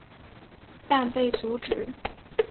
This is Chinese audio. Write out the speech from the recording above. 但被阻止。